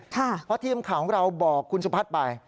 เพราะทีมข่าวของเราบอกคุณสุพัฒน์ไป